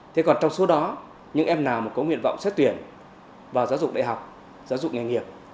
thế còn trong số đó những em nào có nguyện vọng xét tuyển vào giáo dục đại học giáo dục nghề nghiệp